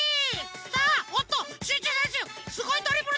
さあおっとシュッシュせんしゅすごいドリブルだ！